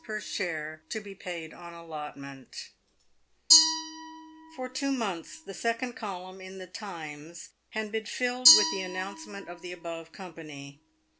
PER SHARE TO BE PAID ON ALLOTMENT, For two months the second column in the Times had been filled with the announcement of the above company.